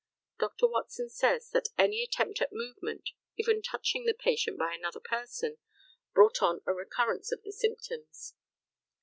Dr. Watson says, that "any attempt at movement even touching the patient by another person brought on a recurrence of the symptoms."